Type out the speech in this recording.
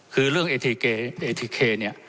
คือเรื่องเอทีเคเนี่ย